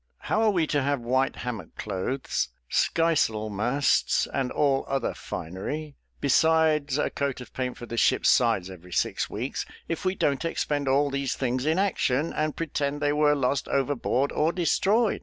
"How are we to have white hammock clothes, sky sail masts, and all other finery, besides a coat of paint for the ship's sides every six weeks, if we don't expend all these things in action, and pretend they were lost overboard, or destroyed?